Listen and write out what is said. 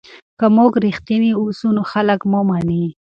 که موږ رښتیني اوسو نو خلک مو مني.